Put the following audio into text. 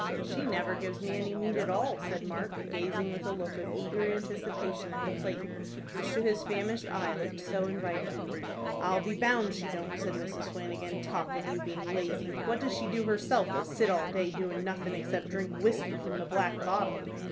"She never gives me any meat at all," said Mark, gazing with a look of eager anticipation at the plate which to his famished eye looked so inviting. "I'll be bound she don't," said Mrs. Flanagan. "Talk of you being lazy! What does she do herself but sit all day doing nothin' except drink whiskey from the black bottle!